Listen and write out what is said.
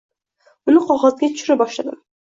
Uni qog‘ozga tushira boshladim.